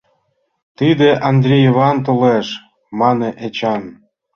Тиде Андри Иван толеш, — мане Эчан.